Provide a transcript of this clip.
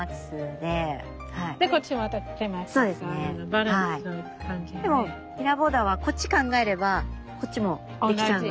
でもミラーボーダーはこっち考えればこっちも出来ちゃうので。